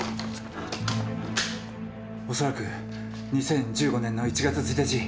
恐らく２０１５年の１月１日。